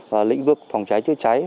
và lĩnh vực phòng cháy chứa cháy